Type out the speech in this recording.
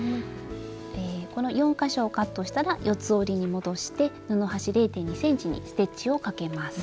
この４か所をカットしたら四つ折りに戻して布端０．２ｃｍにステッチをかけます。